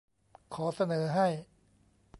ขอเสนอให้